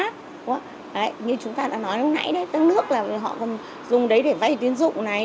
chúng ta đã nói lúc nãy đấy các nước họ dùng đấy để vay tiến dụng này